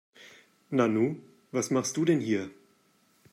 Nanu, was machst du denn hier?